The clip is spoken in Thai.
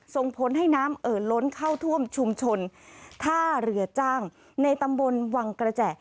ส่งผลให้น้ำเอ่อล้นเข้าท่วมชุมชนท่าเรือจ้างในตำบลวังกระแจ